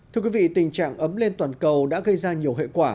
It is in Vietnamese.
thưa quý vị tình trạng ấm lên toàn cầu đã gây ra nhiều hệ quả